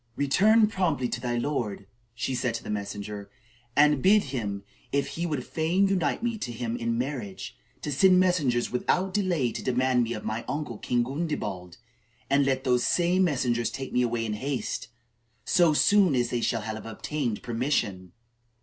"Return promptly to thy lord," she said to the messenger, "and bid him, if he would fain unite me to him in marriage, to send messengers without delay to demand me of my uncle, King Gundebald, and let those same messengers take me away in haste, so soon as they shall have obtained permission."